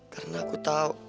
karena aku tahu